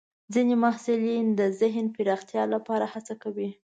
ځینې محصلین د ذهن پراختیا لپاره هڅه کوي.